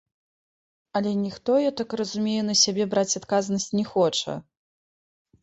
Але ніхто, я так разумею, на сябе браць адказнасць не хоча?